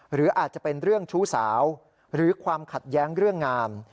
หรืออาจจะเป็นเรื่องชู้สาวหรือความขัดแย้งเรื่องงาน